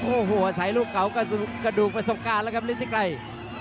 โอ้โหใส่ลูกเก่ากระดูกประสบการณ์แล้วครับฤทธิไกร